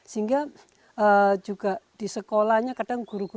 sehingga juga di sekolahnya kadang guru guru